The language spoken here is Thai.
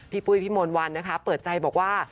ปุ้ยพี่มนต์วันนะคะเปิดใจบอกว่า